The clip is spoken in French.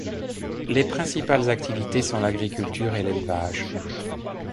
Les principales activités sont l'agriculture et l'élevage.